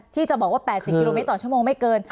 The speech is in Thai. ที่จะบอกว่า๘๐กิโลเมตรต่อชั่วโมงไม่เกิน